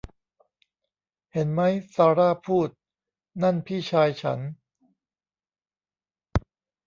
เห็นมั้ย ซาร่าพูด นั่นพี่ชายฉัน